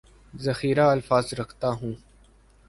ذخیرہ الفاظ رکھتا ہوں